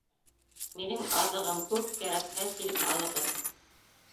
— Минең аҙыгым күп, кәрәкһә, килеп алығыҙ.